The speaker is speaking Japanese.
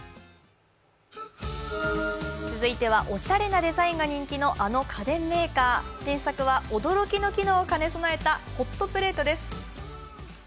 続いては、おしゃれなデザインが人気のあの家電メーカー、新作は驚きの機能を兼ね備えたホットプレートです。